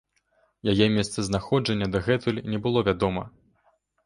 Яе месцазнаходжанне дагэтуль не было вядома.